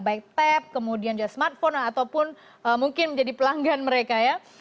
baik tap kemudian juga smartphone ataupun mungkin menjadi pelanggan mereka ya